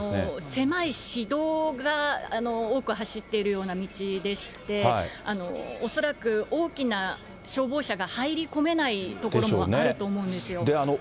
狭い私道が多く走っているような道でして、恐らく、大きな消防車が入り込めない所もあると思うんですよ。